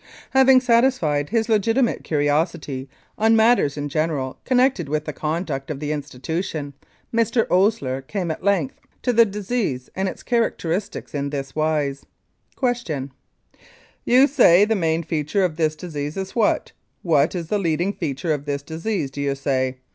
Having satisfied his legitimate curiosity on matters in general connected with the conduct of the institution, Mr. Osier came at length to the disease and its characteristics in this wise : Q. You say the main feature of this disease is what? What is the leading feature of this disease, do you say